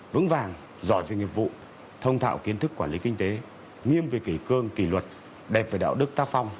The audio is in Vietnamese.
vững vàng giỏi về nghiệp vụ thông thạo kiến thức quản lý kinh tế nghiêm về kỷ cương kỷ luật đẹp về đạo đức tác phong